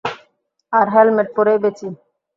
আর helmet পরেই বেচি।